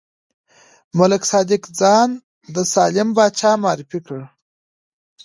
ملک صادق ځان د سالم پاچا معرفي کوي.